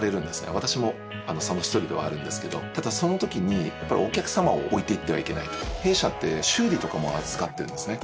私もあのその一人ではあるんですけどただそのときにやっぱりお客様をおいていってはいけないと弊社って修理とかも扱ってるんですね